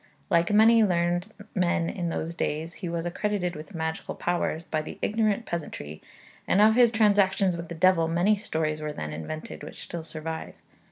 Like many learned men in those days, he was accredited with magical powers by the ignorant peasantry, and of his transactions with the devil many stories were then invented which still survive.